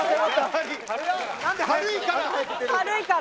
軽いから。